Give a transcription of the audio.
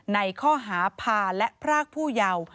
ในข้อหาพาและพรากผู้เยาว์